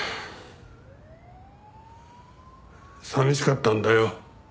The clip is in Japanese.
寂しかったんだよ。